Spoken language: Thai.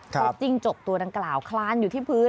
เพราะจิ้งจกตัวดังกล่าวคลานอยู่ที่พื้น